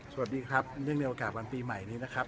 สวัสดีครับเนื่องในโอกาสวันปีใหม่นี้นะครับ